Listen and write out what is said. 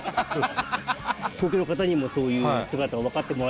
東京の方にもそういう姿を分かってもらえたかなと。